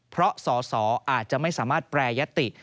เพราะสอสออาจจะไม่สามารถแปรยติ